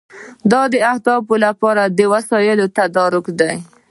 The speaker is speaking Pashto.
دا د اهدافو لپاره د وسایلو تدارک دی.